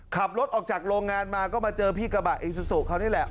ขับรถออกจากโรงงานมาก็มาเจอพี่กระบะอีซูซูเขานี่แหละ